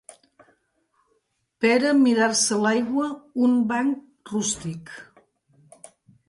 Pera mirar-se l'aigua, un banc rústic